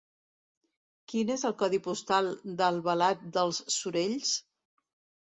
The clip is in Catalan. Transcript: Quin és el codi postal d'Albalat dels Sorells?